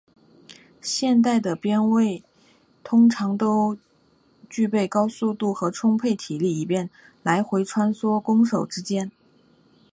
现代的边后卫通常都具备高速度和充沛体力以便来回穿梭攻守之间。